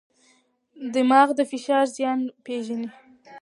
دماغ د فشار زیان پېژني.